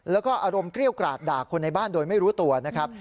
แล้วก็อารมณ์เกรี้ยวกราดด่าคนในบ้านโดยไม่รู้ตัวนะครับ